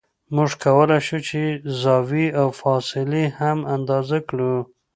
موږ کولای شو چې زاویې او فاصلې هم اندازه کړو